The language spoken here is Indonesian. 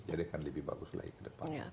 jadi akan lebih bagus lagi ke depan